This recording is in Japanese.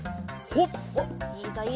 ほっ！